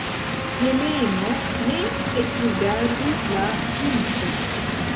Heleno ne ekrigardis la princon.